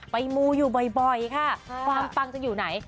มูอยู่บ่อยค่ะความปังจะอยู่ไหน